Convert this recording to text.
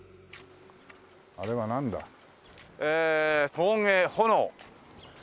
「陶芸炎」。